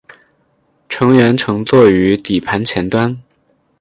乘员乘坐于底盘前端。